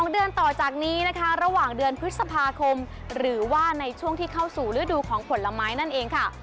เดือนต่อจากนี้นะคะระหว่างเดือนพฤษภาคมหรือว่าในช่วงที่เข้าสู่ฤดูของผลไม้นั่นเองค่ะ